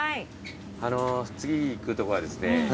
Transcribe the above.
次行くとこはですね